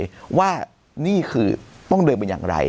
ของประชาดิปตัยว่านี่คือต้องเดินเป็นอย่างไร